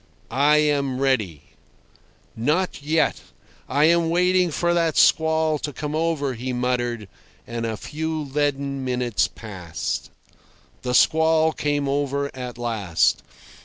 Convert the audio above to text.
"I am ready." "Not yet. I am waiting for that squall to come over," he muttered. And a few leaden minutes passed. The squall came over at last.